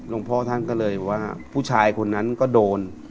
พ่อท่านก็เลยว่าผู้ชายคนนั้นก็โดน